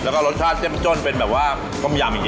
แล้วก็รสชาติเจ็บจ้นเป็นแบบว่าต้มยำจริง